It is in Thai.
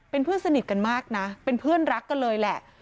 เป็นเพื่อนสนิทกันมากนะเป็นเพื่อนรักกันเลยแหละ